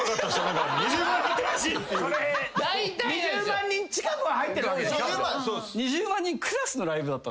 ２０万人近くは入ってるわけでしょ。